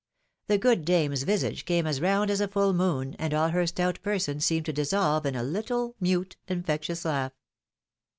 ^^ The good dame's visage became as round as a full moon, and all her stout person seemed to dissolve in a little, mute, infectious laugh.